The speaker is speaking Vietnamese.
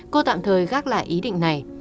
cô tạm thời gác lại ý định này